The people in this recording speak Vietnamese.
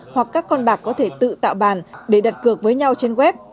hoặc các con bạc có thể tự tạo bàn để đặt cược với nhau trên web